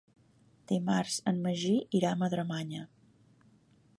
Dimarts en Magí irà a Madremanya.